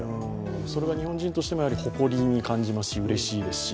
それが日本人としても誇りに感じますし、うれしいですし。